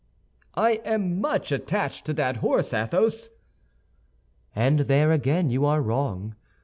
"I am much attached to that horse, Athos." "And there again you are wrong.